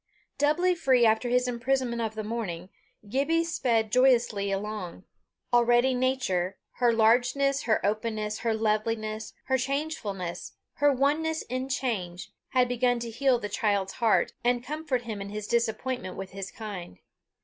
Doubly free after his imprisonment of the morning, Gibbie sped joyously along. Already, nature, her largeness, her openness, her loveliness, her changefulness, her oneness in change, had begun to heal the child's heart, and comfort him in his disappointment with his kind.